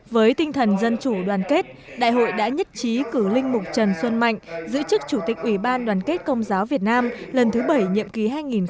với tinh thần dân chủ đoàn kết đại hội đã nhất trí cử linh mục trần xuân mạnh giữ chức chủ tịch ủy ban đoàn kết công giáo việt nam lần thứ bảy nhiệm kỳ hai nghìn một mươi chín hai nghìn hai mươi năm